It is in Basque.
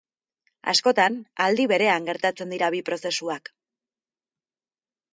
Askotan, aldi berean gertatzen dira bi prozesuak.